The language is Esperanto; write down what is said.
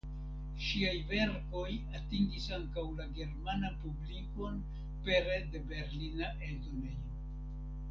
Ŝiaj verkoj atingis ankaŭ la germanan publikon pere de berlina eldonejo.